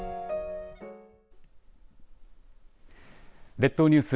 列島ニュース